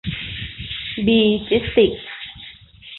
บี จิสติกส์